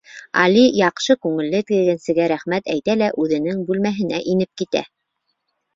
Али яҡшы күңелле тегенсегә рәхмәт әйтә лә үҙенең бүлмәһенә инеп китә.